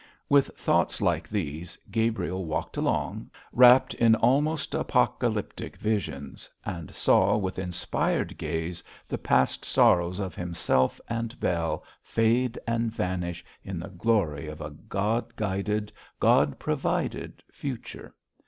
With thoughts like these, Gabriel walked along, wrapped in almost apocalyptic visions, and saw with inspired gaze the past sorrows of himself and Bell fade and vanish in the glory of a God guided, God provided future.